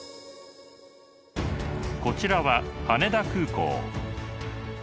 こちらは羽田空港。